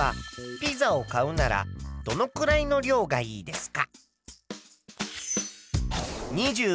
ピザを買うならどのくらいの量がいいか？